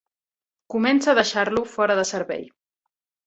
Comença a deixar-lo fora de servei.